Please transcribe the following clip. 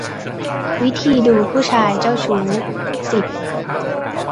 วิธีดูผู้ชายเจ้าชู้ สิบ